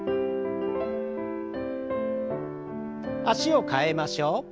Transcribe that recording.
脚を替えましょう。